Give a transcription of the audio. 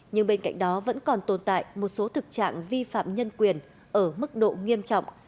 nhưng bên cạnh đó vẫn còn tồn tại một số thực trạng vi phạm nhân quyền ở mức độ nghiêm trọng